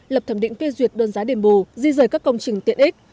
lập thẩm định phê duyệt đơn giá đền bù di rời các công trình tiện ích